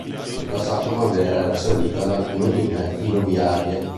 In passato Marghera era servita da alcune linee filoviarie.